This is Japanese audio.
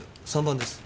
３番です。